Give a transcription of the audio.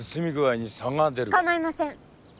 構いません。